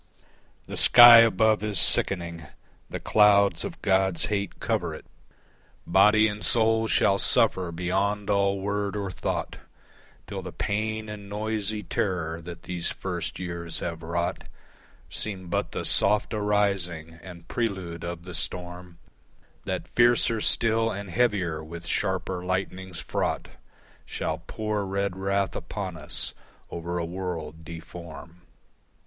The sky above is sickening, the clouds of God's hate cover it, Body and soul shall suffer beyond all word or thought, Till the pain and noisy terror that these first years have wrought Seem but the soft arising and prelude of the storm That fiercer still and heavier with sharper lightnings fraught Shall pour red wrath upon us over a world deform.